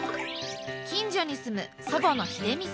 近所に住む祖母の日出美さん。